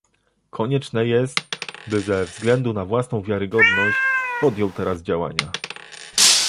Konieczne jest, by ze względu na własną wiarygodność, podjął teraz działania